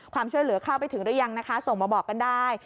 ความช่วยเหลือเข้าไปถึงหรือยังนะคะส่งมาบอกกันได้